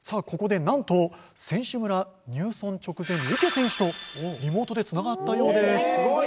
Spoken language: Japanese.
さあ、ここで、なんと選手村入村直前の池選手とリモートでつながったようです。